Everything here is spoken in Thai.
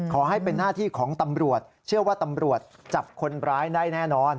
ขอให้เป็นหน้าที่ของตำรวจเชื่อว่าตำรวจจับคนร้ายได้แน่นอน